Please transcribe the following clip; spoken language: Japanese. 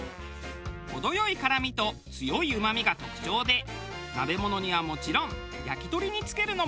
程よい辛みと強いうまみが特徴で鍋ものにはもちろん焼き鳥に付けるのもオススメ。